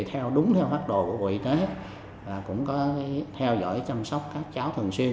thì đúng theo phát đồ của ubnd tp cần thơ cũng có theo dõi chăm sóc các cháu thường xuyên